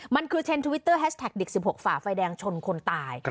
มันคือเทรนด์ทวิตเตอร์แฮชแท็กเด็ก๑๖ฝ่าไฟแดงชนคนตาย